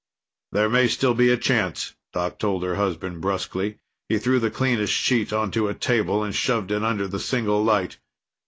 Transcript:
"There may still be a chance," Doc told her husband brusquely. He threw the cleanest sheet onto a table and shoved it under the single light.